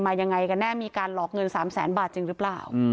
ยังไงกันแน่มีการหลอกเงิน๓แสนบาทจริงหรือเปล่า